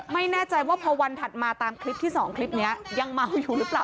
ไม่แน่ใจว่าพอวันถัดมาตามคลิปที่สองคลิปนี้ยังเมาอยู่หรือเปล่า